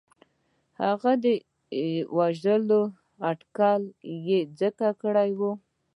هغه د وژلو تکل یې ځکه کړی وو.